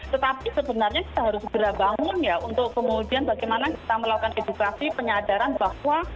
tetapi sebenarnya kita harus segera bangun ya untuk kemudian bagaimana kita melakukan edukasi penyadaran bahwa